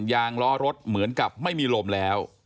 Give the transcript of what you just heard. ยางล้อรถเหมือนกับไม่มีลมแล้ว